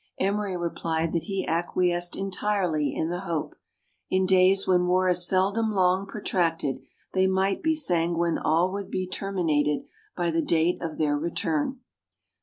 Emery replied that he acquiesced entirely in the hope : in days when war is seldom long protracted they might be sanguine all would be terminated by the date of their return.